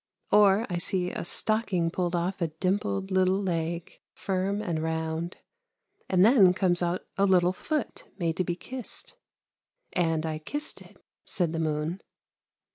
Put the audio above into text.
Or I see a stocking pulled off a dimpled little leg, firm and round, and then comes out a little foot made to be kissed, and I kissed it," said the moon.